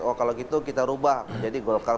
oh kalau gitu kita rubah menjadi golkar